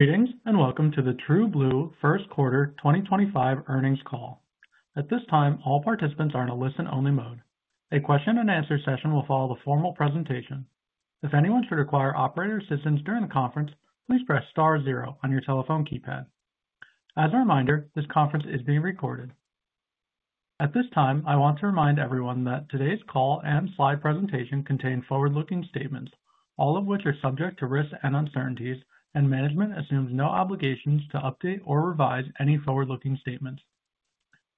Greetings and welcome to the TrueBlue First Quarter 2025 earnings call. At this time, all participants are in a listen-only mode. A question-and-answer session will follow the formal presentation. If anyone should require operator assistance during the conference, please press star zero on your telephone keypad. As a reminder, this conference is being recorded. At this time, I want to remind everyone that today's call and slide presentation contain forward-looking statements, all of which are subject to risks and uncertainties, and management assumes no obligations to update or revise any forward-looking statements.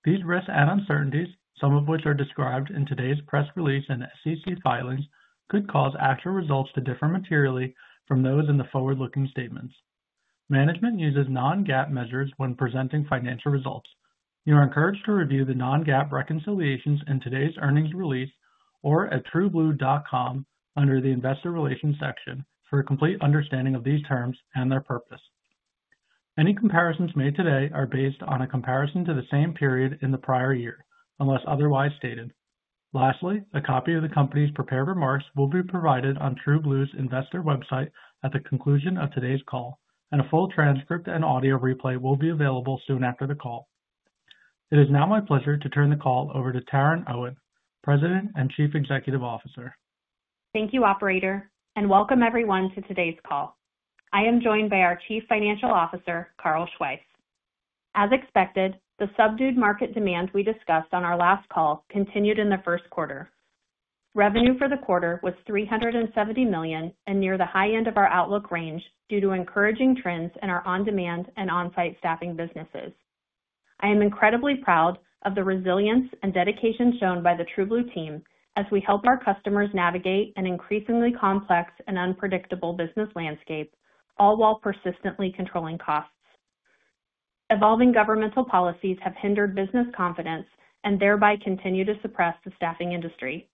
These risks and uncertainties, some of which are described in today's press release and SEC filings, could cause actual results to differ materially from those in the forward-looking statements. Management uses non-GAAP measures when presenting financial results. You are encouraged to review the non-GAAP reconciliations in today's earnings release or at trueblue.com under the Investor Relations section for a complete understanding of these terms and their purpose. Any comparisons made today are based on a comparison to the same period in the prior year, unless otherwise stated. Lastly, a copy of the company's prepared remarks will be provided on TrueBlue's investor website at the conclusion of today's call, and a full transcript and audio replay will be available soon after the call. It is now my pleasure to turn the call over to Taryn Owen, President and Chief Executive Officer. Thank you, Operator, and welcome everyone to today's call. I am joined by our Chief Financial Officer, Carl Schweihs. As expected, the subdued market demand we discussed on our last call continued in the first quarter. Revenue for the quarter was $370 million and near the high end of our outlook range due to encouraging trends in our on-demand and on-site staffing businesses. I am incredibly proud of the resilience and dedication shown by the TrueBlue team as we help our customers navigate an increasingly complex and unpredictable business landscape, all while persistently controlling costs. Evolving governmental policies have hindered business confidence and thereby continue to suppress the staffing industry.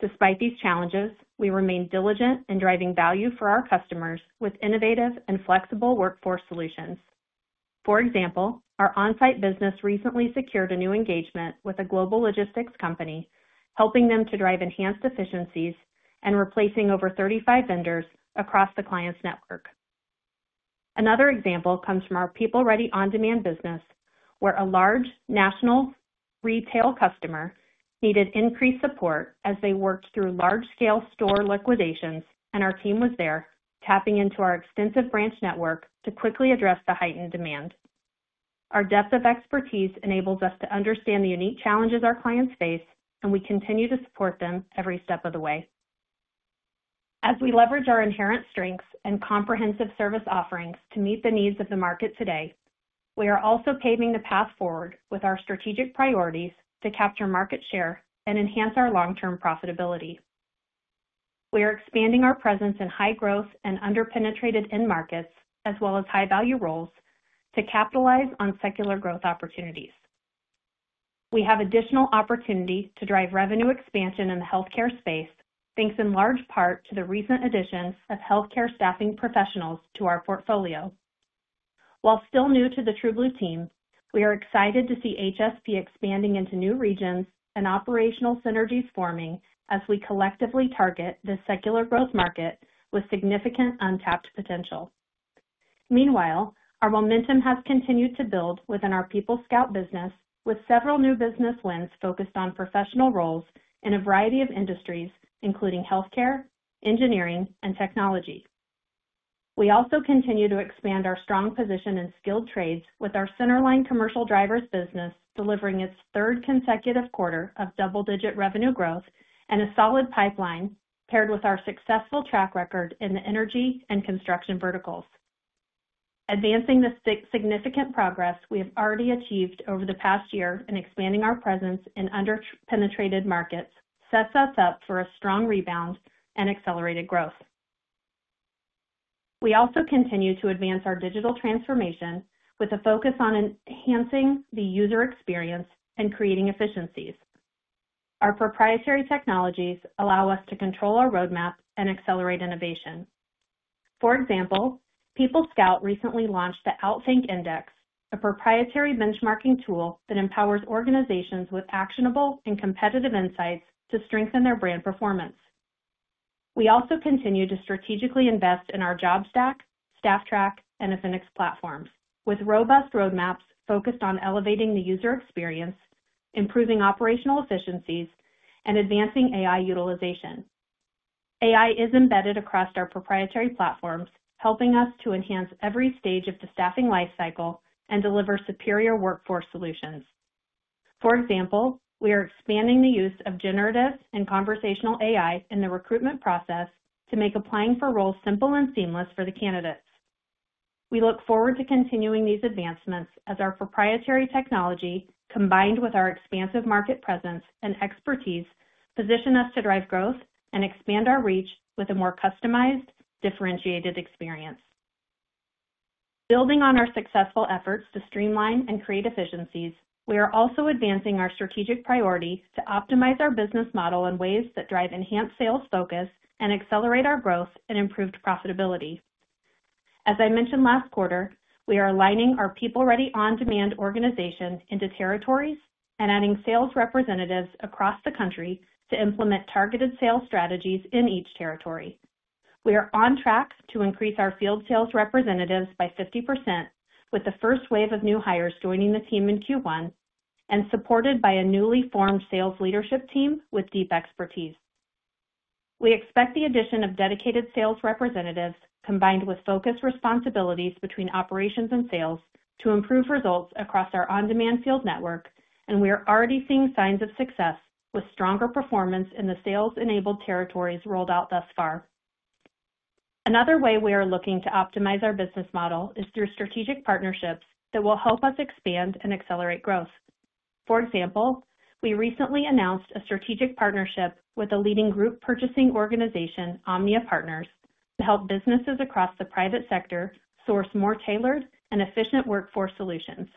Despite these challenges, we remain diligent in driving value for our customers with innovative and flexible workforce solutions. For example, our on-site business recently secured a new engagement with a global logistics company, helping them to drive enhanced efficiencies and replacing over 35 vendors across the client's network. Another example comes from our PeopleReady on-demand business, where a large national retail customer needed increased support as they worked through large-scale store liquidations, and our team was there, tapping into our extensive branch network to quickly address the heightened demand. Our depth of expertise enables us to understand the unique challenges our clients face, and we continue to support them every step of the way. As we leverage our inherent strengths and comprehensive service offerings to meet the needs of the market today, we are also paving the path forward with our strategic priorities to capture market share and enhance our long-term profitability. We are expanding our presence in high-growth and under-penetrated end markets, as well as high-value roles, to capitalize on secular growth opportunities. We have additional opportunity to drive revenue expansion in the healthcare space, thanks in large part to the recent additions of Healthcare Staffing Professionals to our portfolio. While still new to the TrueBlue team, we are excited to see HSP expanding into new regions and operational synergies forming as we collectively target this secular growth market with significant untapped potential. Meanwhile, our momentum has continued to build within our PeopleScout business, with several new business wins focused on professional roles in a variety of industries, including healthcare, engineering, and technology. We also continue to expand our strong position in skilled trades with our Centerline commercial drivers business delivering its third consecutive quarter of double-digit revenue growth and a solid pipeline, paired with our successful track record in the energy and construction verticals. Advancing the significant progress we have already achieved over the past year in expanding our presence in under-penetrated markets sets us up for a strong rebound and accelerated growth. We also continue to advance our digital transformation with a focus on enhancing the user experience and creating efficiencies. Our proprietary technologies allow us to control our roadmap and accelerate innovation. For example, PeopleScout recently launched the Outthink Index, a proprietary benchmarking tool that empowers organizations with actionable and competitive insights to strengthen their brand performance. We also continue to strategically invest in our JobStack, Stafftrack, and Affinix platforms, with robust roadmaps focused on elevating the user experience, improving operational efficiencies, and advancing AI utilization. AI is embedded across our proprietary platforms, helping us to enhance every stage of the staffing life cycle and deliver superior workforce solutions. For example, we are expanding the use of generative and conversational AI in the recruitment process to make applying for roles simple and seamless for the candidates. We look forward to continuing these advancements as our proprietary technology, combined with our expansive market presence and expertise, positions us to drive growth and expand our reach with a more customized, differentiated experience. Building on our successful efforts to streamline and create efficiencies, we are also advancing our strategic priority to optimize our business model in ways that drive enhanced sales focus and accelerate our growth and improved profitability. As I mentioned last quarter, we are aligning our PeopleReady on-demand organization into territories and adding sales representatives across the country to implement targeted sales strategies in each territory. We are on track to increase our field sales representatives by 50%, with the first wave of new hires joining the team in Q1 and supported by a newly formed sales leadership team with deep expertise. We expect the addition of dedicated sales representatives, combined with focused responsibilities between operations and sales, to improve results across our on-demand field network, and we are already seeing signs of success with stronger performance in the sales-enabled territories rolled out thus far. Another way we are looking to optimize our business model is through strategic partnerships that will help us expand and accelerate growth. For example, we recently announced a strategic partnership with a leading group purchasing organization, Omnia Partners, to help businesses across the private sector source more tailored and efficient workforce solutions.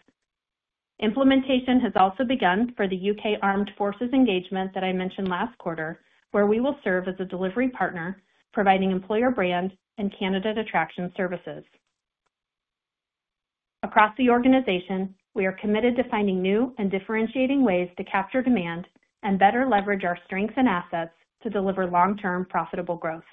Implementation has also begun for the UK Armed Forces engagement that I mentioned last quarter, where we will serve as a delivery partner, providing employer brand and candidate attraction services. Across the organization, we are committed to finding new and differentiating ways to capture demand and better leverage our strengths and assets to deliver long-term profitable growth.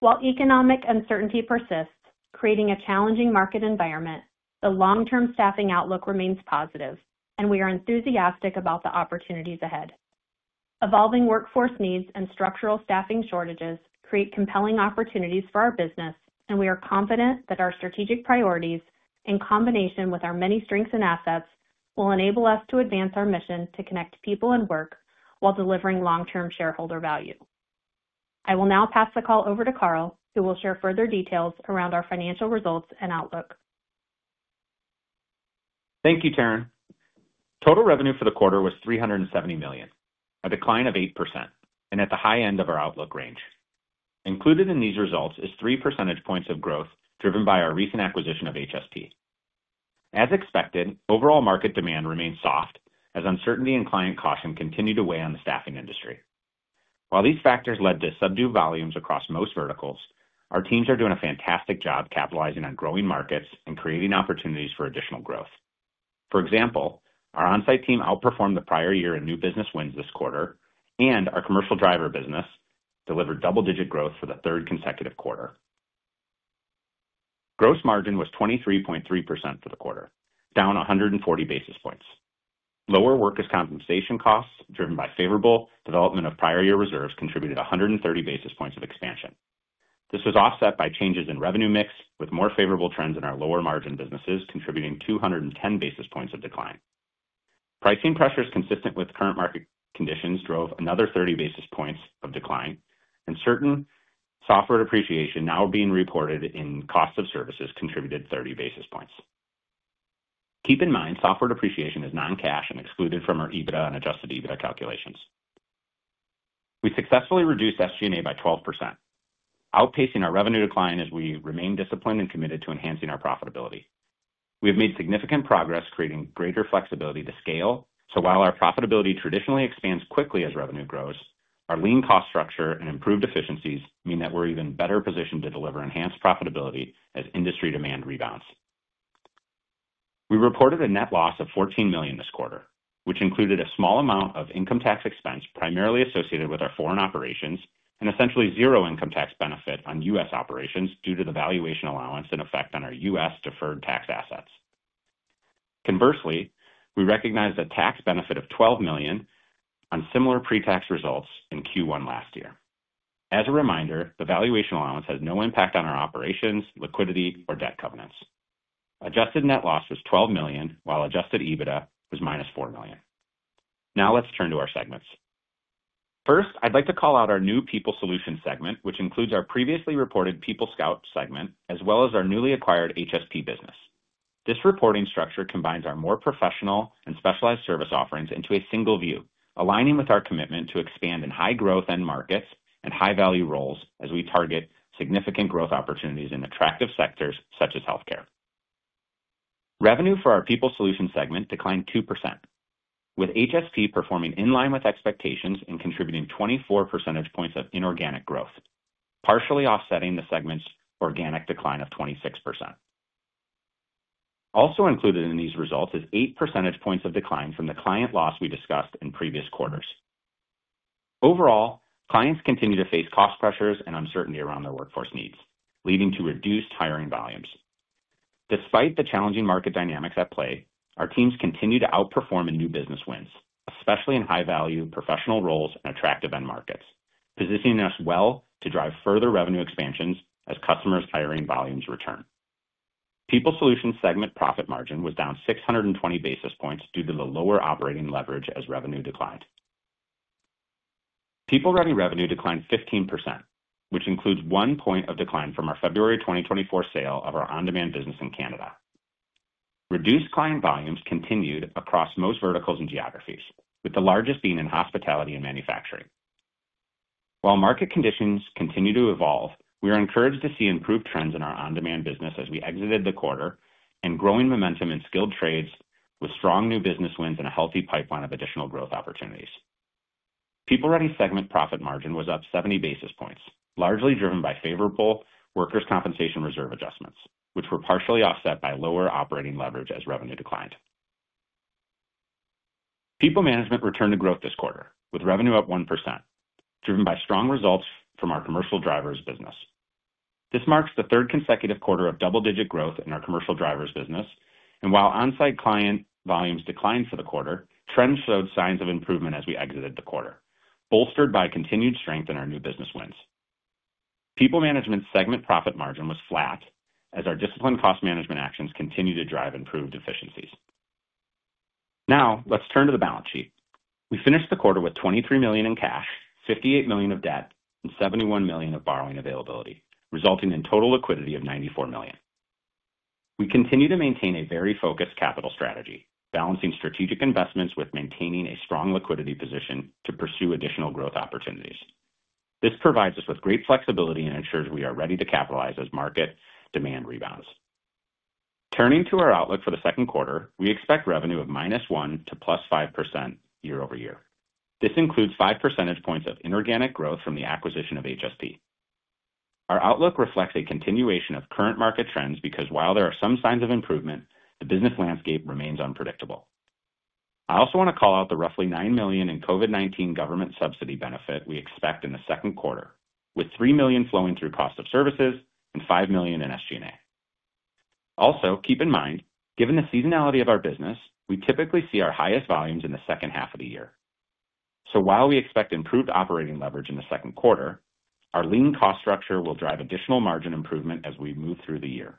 While economic uncertainty persists, creating a challenging market environment, the long-term staffing outlook remains positive, and we are enthusiastic about the opportunities ahead. Evolving workforce needs and structural staffing shortages create compelling opportunities for our business, and we are confident that our strategic priorities, in combination with our many strengths and assets, will enable us to advance our mission to connect people and work while delivering long-term shareholder value. I will now pass the call over to Carl, who will share further details around our financial results and outlook. Thank you, Taryn. Total revenue for the quarter was $370 million, a decline of 8%, and at the high end of our outlook range. Included in these results is three percentage points of growth driven by our recent acquisition of HSP. As expected, overall market demand remains soft as uncertainty and client caution continue to weigh on the staffing industry. While these factors led to subdued volumes across most verticals, our teams are doing a fantastic job capitalizing on growing markets and creating opportunities for additional growth. For example, our on-site team outperformed the prior year in new business wins this quarter, and our commercial driver business delivered double-digit growth for the third consecutive quarter. Gross margin was 23.3% for the quarter, down 140 basis points. Lower workers' compensation costs driven by favorable development of prior year reserves contributed 130 basis points of expansion. This was offset by changes in revenue mix, with more favorable trends in our lower margin businesses contributing 210 basis points of decline. Pricing pressures consistent with current market conditions drove another 30 basis points of decline, and certain software depreciation now being reported in cost of services contributed 30 basis points. Keep in mind, software depreciation is non-cash and excluded from our EBITDA and adjusted EBITDA calculations. We successfully reduced SG&A by 12%, outpacing our revenue decline as we remain disciplined and committed to enhancing our profitability. We have made significant progress, creating greater flexibility to scale, so while our profitability traditionally expands quickly as revenue grows, our lean cost structure and improved efficiencies mean that we're even better positioned to deliver enhanced profitability as industry demand rebounds. We reported a net loss of $14 million this quarter, which included a small amount of income tax expense primarily associated with our foreign operations and essentially zero income tax benefit on U.S. operations due to the valuation allowance in effect on our U.S. deferred tax assets. Conversely, we recognized a tax benefit of $12 million on similar pre-tax results in Q1 last year. As a reminder, the valuation allowance has no impact on our operations, liquidity, or debt covenants. Adjusted net loss was $12 million, while adjusted EBITDA was minus $4 million. Now let's turn to our segments. First, I'd like to call out our new People Solutions segment, which includes our previously reported PeopleScout segment, as well as our newly acquired HSP business. This reporting structure combines our more professional and specialized service offerings into a single view, aligning with our commitment to expand in high-growth end markets and high-value roles as we target significant growth opportunities in attractive sectors such as healthcare. Revenue for our People Solutions segment declined 2%, with HSP performing in line with expectations and contributing 24 percentage points of inorganic growth, partially offsetting the segment's organic decline of 26%. Also included in these results is 8 percentage points of decline from the client loss we discussed in previous quarters. Overall, clients continue to face cost pressures and uncertainty around their workforce needs, leading to reduced hiring volumes. Despite the challenging market dynamics at play, our teams continue to outperform in new business wins, especially in high-value professional roles and attractive end markets, positioning us well to drive further revenue expansions as customers' hiring volumes return. People Solutions segment profit margin was down 620 basis points due to the lower operating leverage as revenue declined. PeopleReady revenue declined 15%, which includes one point of decline from our February 2024 sale of our on-demand business in Canada. Reduced client volumes continued across most verticals and geographies, with the largest being in hospitality and manufacturing. While market conditions continue to evolve, we are encouraged to see improved trends in our on-demand business as we exited the quarter and growing momentum in skilled trades with strong new business wins and a healthy pipeline of additional growth opportunities. PeopleReady segment profit margin was up 70 basis points, largely driven by favorable workers' compensation reserve adjustments, which were partially offset by lower operating leverage as revenue declined. PeopleManagement returned to growth this quarter, with revenue up 1%, driven by strong results from our commercial drivers business. This marks the third consecutive quarter of double-digit growth in our commercial drivers business, and while on-site client volumes declined for the quarter, trends showed signs of improvement as we exited the quarter, bolstered by continued strength in our new business wins. PeopleManagement segment profit margin was flat as our disciplined cost management actions continued to drive improved efficiencies. Now let's turn to the balance sheet. We finished the quarter with $23 million in cash, $58 million of debt, and $71 million of borrowing availability, resulting in total liquidity of $94 million. We continue to maintain a very focused capital strategy, balancing strategic investments with maintaining a strong liquidity position to pursue additional growth opportunities. This provides us with great flexibility and ensures we are ready to capitalize as market demand rebounds. Turning to our outlook for the second quarter, we expect revenue of -1% to +5% year over year. This includes 5 percentage points of inorganic growth from the acquisition of HSP. Our outlook reflects a continuation of current market trends because while there are some signs of improvement, the business landscape remains unpredictable. I also want to call out the roughly $9 million in COVID-19 government subsidy benefit we expect in the second quarter, with $3 million flowing through cost of services and $5 million in SG&A. Also, keep in mind, given the seasonality of our business, we typically see our highest volumes in the second half of the year. While we expect improved operating leverage in the second quarter, our lean cost structure will drive additional margin improvement as we move through the year.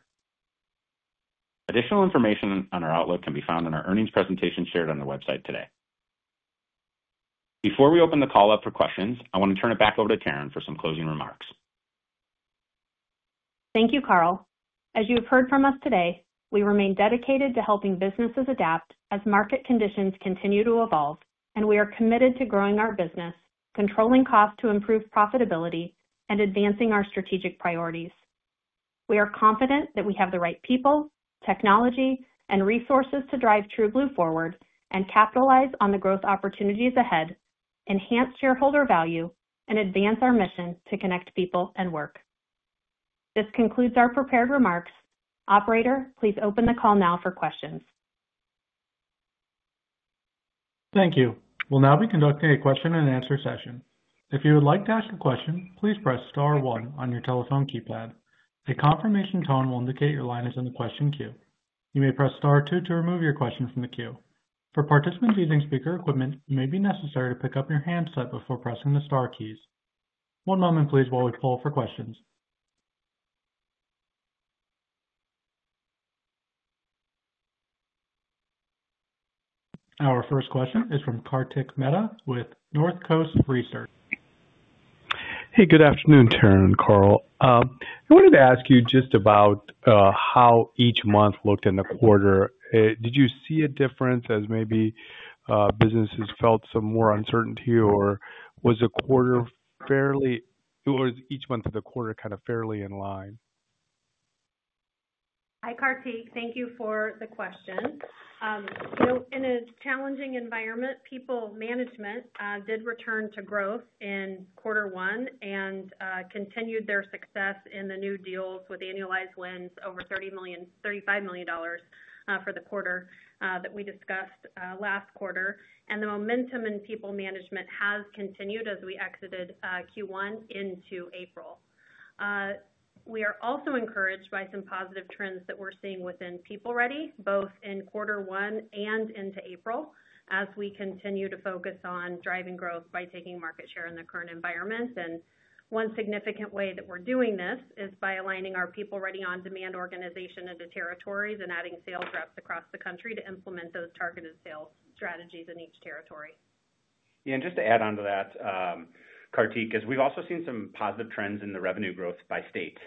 Additional information on our outlook can be found in our earnings presentation shared on the website today. Before we open the call up for questions, I want to turn it back over to Taryn for some closing remarks. Thank you, Carl. As you have heard from us today, we remain dedicated to helping businesses adapt as market conditions continue to evolve, and we are committed to growing our business, controlling costs to improve profitability, and advancing our strategic priorities. We are confident that we have the right people, technology, and resources to drive TrueBlue forward and capitalize on the growth opportunities ahead, enhance shareholder value, and advance our mission to connect people and work. This concludes our prepared remarks. Operator, please open the call now for questions. Thank you. We'll now be conducting a question-and-answer session. If you would like to ask a question, please press Star 1 on your telephone keypad. A confirmation tone will indicate your line is in the question queue. You may press Star 2 to remove your question from the queue. For participants using speaker equipment, it may be necessary to pick up your handset before pressing the Star keys. One moment, please, while we pull for questions. Our first question is from Kartik Mehta with Northcoast Research. Hey, good afternoon, Taryn and Carl. I wanted to ask you just about how each month looked in the quarter. Did you see a difference as maybe businesses felt some more uncertainty, or was the quarter fairly—was each month of the quarter kind of fairly in line? Hi, Kartik. Thank you for the question. In a challenging environment, PeopleManagement did return to growth in quarter one and continued their success in the new deals with annualized wins over $35 million for the quarter that we discussed last quarter, and the momentum in PeopleManagement has continued as we exited Q1 into April. We are also encouraged by some positive trends that we're seeing within PeopleReady, both in quarter one and into April, as we continue to focus on driving growth by taking market share in the current environment. One significant way that we're doing this is by aligning our PeopleReady on-demand organization into territories and adding sales reps across the country to implement those targeted sales strategies in each territory. Yeah, and just to add on to that, Kartik, we've also seen some positive trends in the revenue growth by state.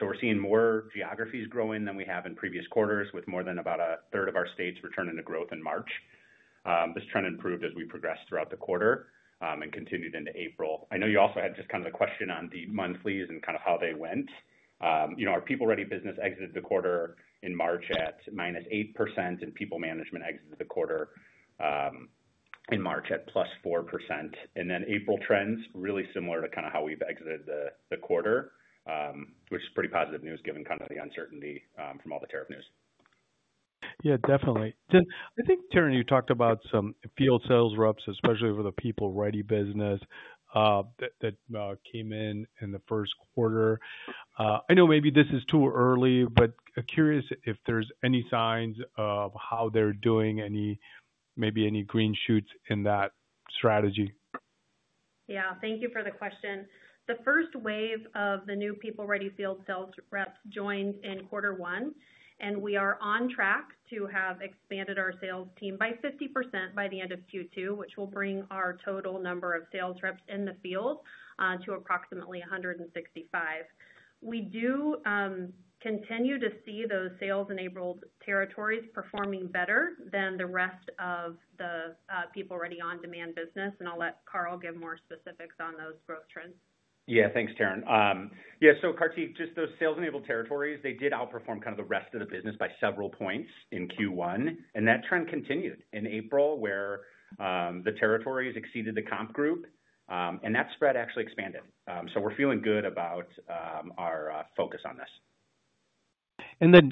We're seeing more geographies growing than we have in previous quarters, with more than about a third of our states returning to growth in March. This trend improved as we progressed throughout the quarter and continued into April. I know you also had just kind of a question on the monthlies and kind of how they went. Our PeopleReady business exited the quarter in March at -8%, and PeopleManagement exited the quarter in March at +4%. April trends were really similar to kind of how we've exited the quarter, which is pretty positive news given kind of the uncertainty from all the tariff news. Yeah, definitely. I think, Taryn, you talked about some field sales reps, especially for the PeopleReady business, that came in in the first quarter. I know maybe this is too early, but curious if there's any signs of how they're doing, maybe any green shoots in that strategy. Yeah, thank you for the question. The first wave of the new PeopleReady field sales reps joined in quarter one, and we are on track to have expanded our sales team by 50% by the end of Q2, which will bring our total number of sales reps in the field to approximately 165. We do continue to see those sales-enabled territories performing better than the rest of the PeopleReady on-demand business, and I'll let Carl give more specifics on those growth trends. Yeah, thanks, Taryn. Yeah, so Kartik, just those sales-enabled territories, they did outperform kind of the rest of the business by several points in Q1, and that trend continued in April, where the territories exceeded the comp group, and that spread actually expanded. We're feeling good about our focus on this.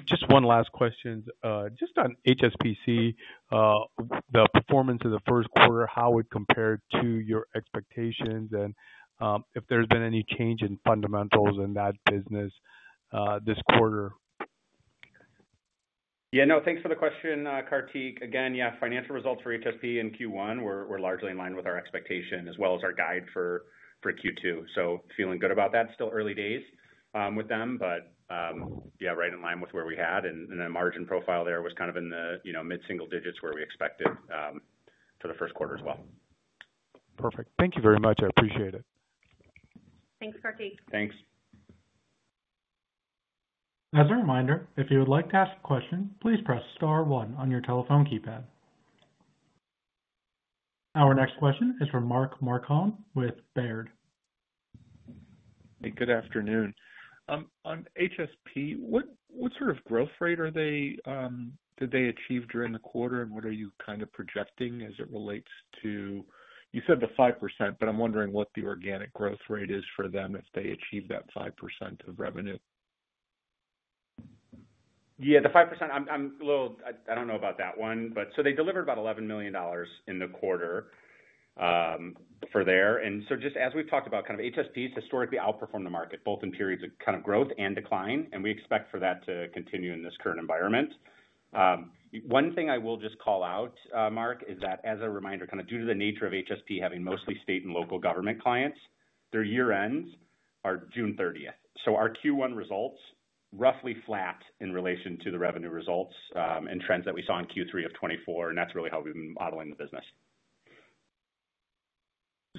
Just one last question. Just on HSP, the performance of the first quarter, how it compared to your expectations, and if there's been any change in fundamentals in that business this quarter. Yeah, no, thanks for the question, Kartik. Again, yeah, financial results for HSP in Q1 were largely in line with our expectation, as well as our guide for Q2. Feeling good about that. Still early days with them, but yeah, right in line with where we had, and the margin profile there was kind of in the mid-single digits where we expected for the first quarter as well. Perfect. Thank you very much. I appreciate it. Thanks, Kartik. Thanks. As a reminder, if you would like to ask a question, please press Star 1 on your telephone keypad. Our next question is from Mark Marcon with Baird. Hey, good afternoon. On HSP, what sort of growth rate did they achieve during the quarter, and what are you kind of projecting as it relates to—you said the 5%, but I'm wondering what the organic growth rate is for them if they achieve that 5% of revenue. Yeah, the 5%, I'm a little—I don't know about that one, but they delivered about $11 million in the quarter for there. And just as we've talked about, kind of HSP has historically outperformed the market, both in periods of kind of growth and decline, and we expect for that to continue in this current environment. One thing I will just call out, Mark, is that as a reminder, kind of due to the nature of HSP having mostly state and local government clients, their year-ends are June 30th. So our Q1 results are roughly flat in relation to the revenue results and trends that we saw in Q3 of 2024, and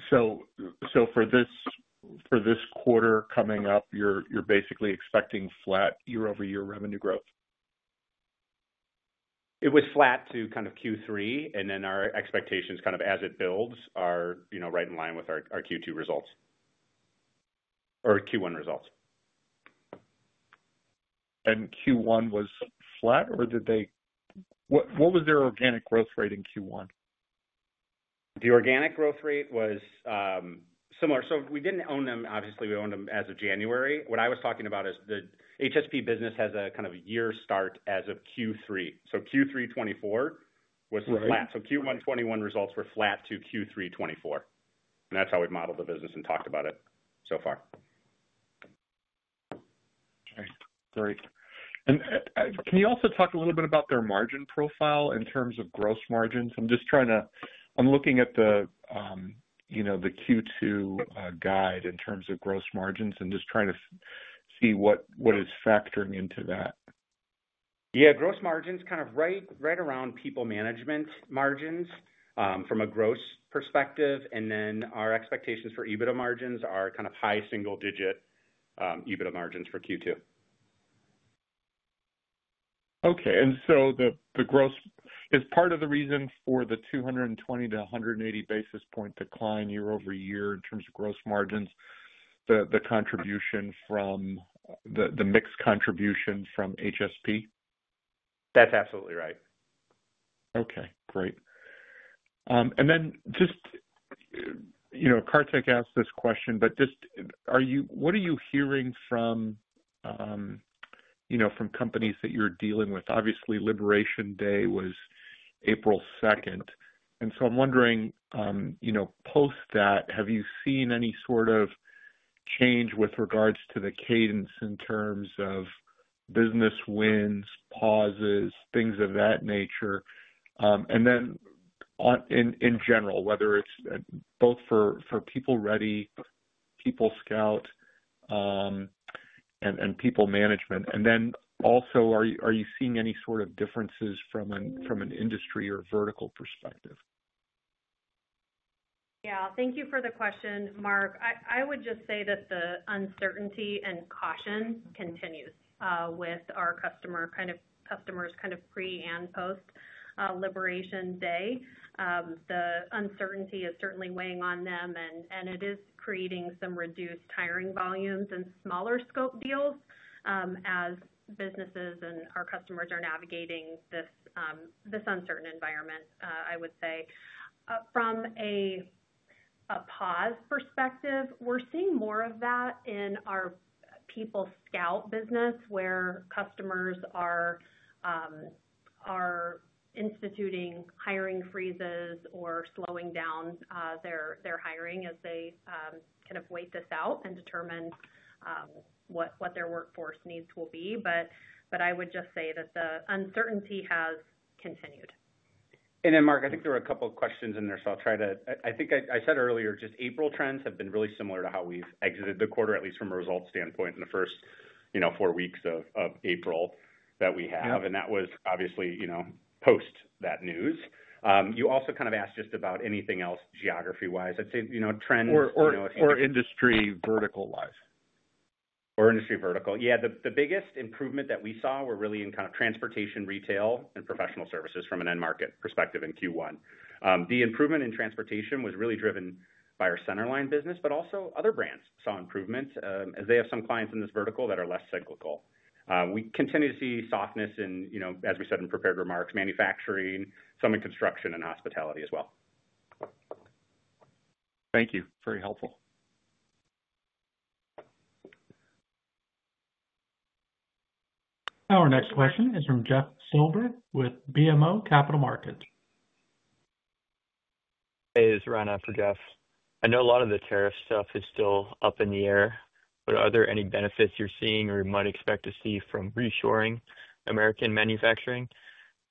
that's really how we've been modeling the business. For this quarter coming up, you're basically expecting flat year-over-year revenue growth? It was flat to kind of Q3, and then our expectations kind of as it builds are right in line with our Q2 results or Q1 results. Q1 was flat, or did they—what was their organic growth rate in Q1? The organic growth rate was similar. We did not own them; obviously, we owned them as of January. What I was talking about is the HSP business has a kind of a year start as of Q3.So, Q3 2024 was flat. Q1 2021 results were flat to Q3 2024. That is how we have modeled the business and talked about it so far. Okay. Great. Can you also talk a little bit about their margin profile in terms of gross margins? I'm just trying to—I'm looking at the Q2 guide in terms of gross margins and just trying to see what is factoring into that. Yeah, gross margins are kind of right around PeopleManagement margins from a gross perspective, and then our expectations for EBITDA margins are kind of high single-digit EBITDA margins for Q2. Okay. Is part of the reason for the 220-180 basis point decline year-over-year in terms of gross margins the contribution from the mixed contribution from HSP? That's absolutely right. Okay. Great. Kartik asked this question, but just what are you hearing from companies that you're dealing with? Obviously, Liberation Day was April 2nd. I'm wondering, post that, have you seen any sort of change with regards to the cadence in terms of business wins, pauses, things of that nature? In general, whether it's both for PeopleReady, PeopleScout, and PeopleManagement. Also, are you seeing any sort of differences from an industry or vertical perspective? Yeah. Thank you for the question, Mark. I would just say that the uncertainty and caution continues with our customers, kind of pre and post Liberation Day. The uncertainty is certainly weighing on them, and it is creating some reduced hiring volumes and smaller scope deals as businesses and our customers are navigating this uncertain environment, I would say. From a pause perspective, we're seeing more of that in our PeopleScout business, where customers are instituting hiring freezes or slowing down their hiring as they kind of wait this out and determine what their workforce needs will be. I would just say that the uncertainty has continued. Mark, I think there were a couple of questions in there, so I'll try to—I think I said earlier, just April trends have been really similar to how we've exited the quarter, at least from a results standpoint in the first four weeks of April that we have. That was obviously post that news. You also kind of asked just about anything else geography-wise. I'd say trends. Or industry vertical-wise. Or industry vertical. Yeah. The biggest improvement that we saw were really in kind of transportation, retail, and professional services from an end market perspective in Q1. The improvement in transportation was really driven by our Centerline business, but also other brands saw improvement as they have some clients in this vertical that are less cyclical. We continue to see softness in, as we said in prepared remarks, manufacturing, some in construction, and hospitality as well. Thank you. Very helpful. Our next question is from Jeff Silver with BMO Capital Markets. Hey, this is Rana for Jeff. I know a lot of the tariff stuff is still up in the air, but are there any benefits you're seeing or you might expect to see from reshoring American manufacturing?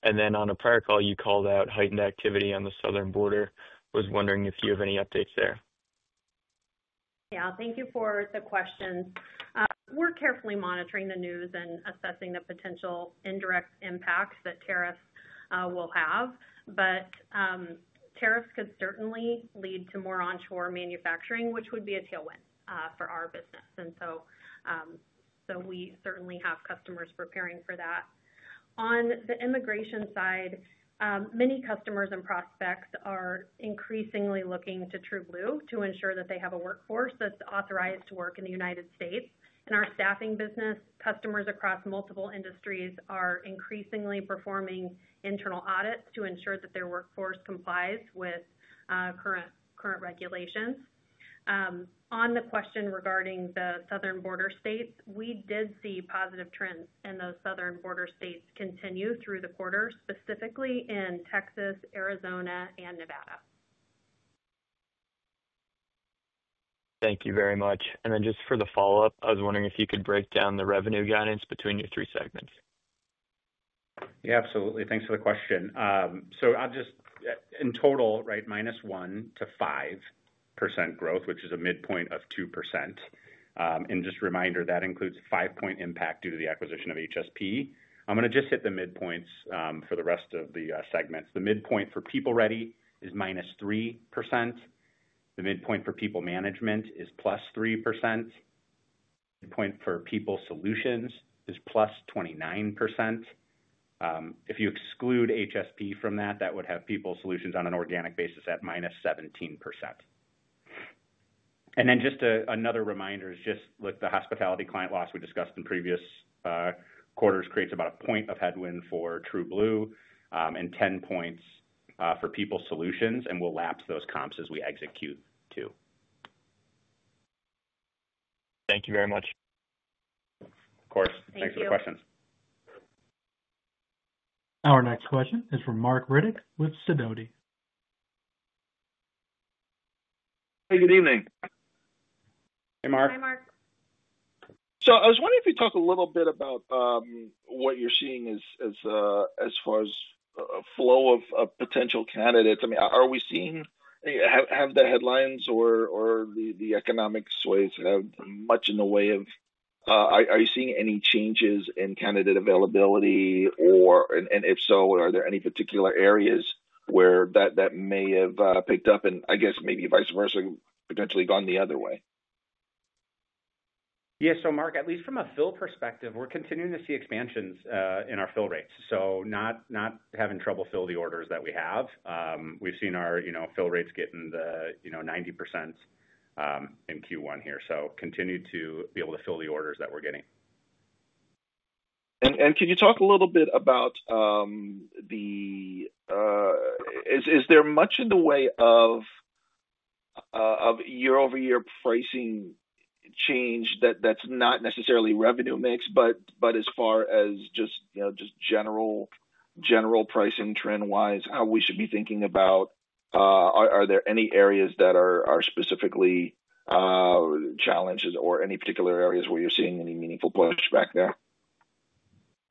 On a prior call, you called out heightened activity on the southern border. I was wondering if you have any updates there. Yeah. Thank you for the questions. We're carefully monitoring the news and assessing the potential indirect impacts that tariffs will have, but tariffs could certainly lead to more onshore manufacturing, which would be a tailwind for our business. We certainly have customers preparing for that. On the immigration side, many customers and prospects are increasingly looking to TrueBlue to ensure that they have a workforce that's authorized to work in the United States. In our staffing business, customers across multiple industries are increasingly performing internal audits to ensure that their workforce complies with current regulations. On the question regarding the southern border states, we did see positive trends in those southern border states continue through the quarter, specifically in Texas, Arizona, and Nevada. Thank you very much. Just for the follow-up, I was wondering if you could break down the revenue guidance between your three segments. Yeah, absolutely. Thanks for the question. In total, right, minus 1-5% growth, which is a midpoint of 2%. Just a reminder, that includes a five-point impact due to the acquisition of HSP. I'm going to just hit the midpoints for the rest of the segments. The midpoint for PeopleReady is minus 3%. The midpoint for PeopleManagement is plus 3%. The midpoint for PeopleSolutions is plus 29%. If you exclude HSP from that, that would have PeopleSolutions on an organic basis at minus 17%. Another reminder is just, look, the hospitality client loss we discussed in previous quarters creates about a point of headwind for TrueBlue and 10 points for PeopleSolutions, and we'll lapse those comps as we execute too. Thank you very much. Of course. Thanks for the questions. Thank you. Our next question is from Marc Riddick with Sidoti. Hey, good evening. Hey, Marc. Hey, Marc. I was wondering if you could talk a little bit about what you're seeing as far as flow of potential candidates. I mean, are we seeing—have the headlines or the economic sways had much in the way of—are you seeing any changes in candidate availability, and if so, are there any particular areas where that may have picked up, and I guess maybe vice versa, potentially gone the other way? Yeah. Marc, at least from a fill perspective, we're continuing to see expansions in our fill rates. Not having trouble fill the orders that we have. We've seen our fill rates get in the 90% in Q1 here. Continue to be able to fill the orders that we're getting. Can you talk a little bit about the—is there much in the way of year-over-year pricing change that is not necessarily revenue mix, but as far as just general pricing trend-wise, how we should be thinking about? Are there any areas that are specifically challenges or any particular areas where you are seeing any meaningful pushback there?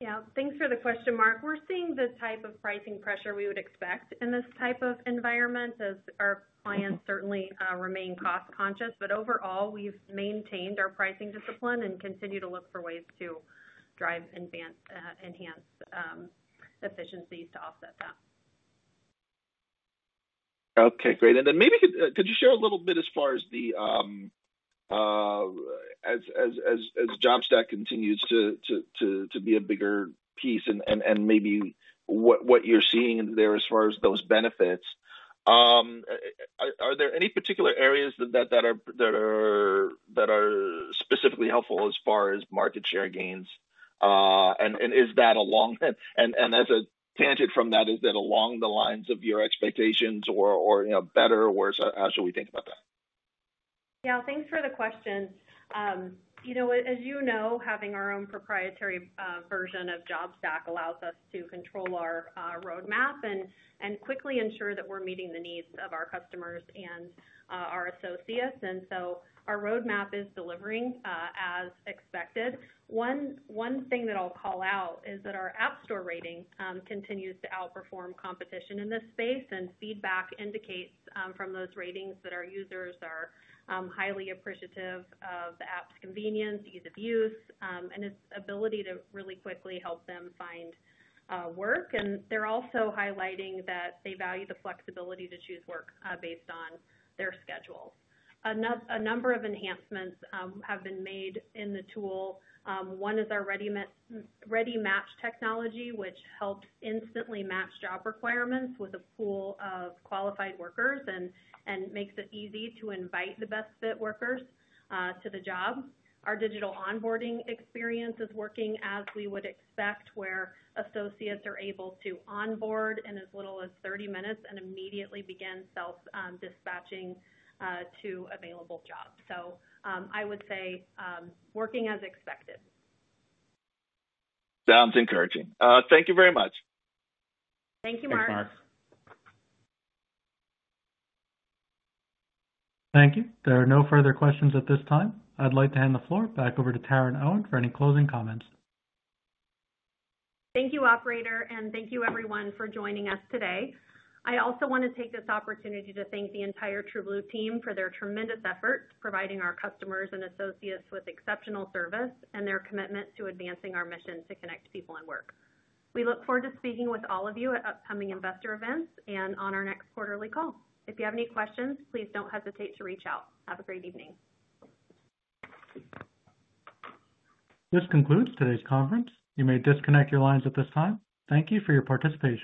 Yeah. Thanks for the question, Marc. We're seeing the type of pricing pressure we would expect in this type of environment as our clients certainly remain cost-conscious. Overall, we've maintained our pricing discipline and continue to look for ways to drive and enhance efficiencies to offset that. Okay. Great. Maybe could you share a little bit as far as the—as JobStack continues to be a bigger piece and maybe what you're seeing there as far as those benefits, are there any particular areas that are specifically helpful as far as market share gains? Is that along—and as a tangent from that, is that along the lines of your expectations or better or worse? How should we think about that? Yeah. Thanks for the question. As you know, having our own proprietary version of JobStack allows us to control our roadmap and quickly ensure that we're meeting the needs of our customers and our associates. Our roadmap is delivering as expected. One thing that I'll call out is that our App Store rating continues to outperform competition in this space, and feedback indicates from those ratings that our users are highly appreciative of the app's convenience, ease of use, and its ability to really quickly help them find work. They're also highlighting that they value the flexibility to choose work based on their schedule. A number of enhancements have been made in the tool. One is our ReadyMatch technology, which helps instantly match job requirements with a pool of qualified workers and makes it easy to invite the best-fit workers to the job. Our digital onboarding experience is working as we would expect, where associates are able to onboard in as little as 30 minutes and immediately begin self-dispatching to available jobs. I would say working as expected. Sounds encouraging. Thank you very much. Thank you, Marc. Thanks, Marc. Thank you. There are no further questions at this time. I'd like to hand the floor back over to Taryn Owen for any closing comments. Thank you, operator, and thank you, everyone, for joining us today. I also want to take this opportunity to thank the entire TrueBlue team for their tremendous efforts providing our customers and associates with exceptional service and their commitment to advancing our mission to connect people and work. We look forward to speaking with all of you at upcoming investor events and on our next quarterly call. If you have any questions, please do not hesitate to reach out. Have a great evening. This concludes today's conference. You may disconnect your lines at this time. Thank you for your participation.